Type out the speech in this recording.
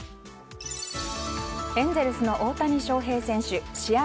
エンゼルスの大谷翔平選手試合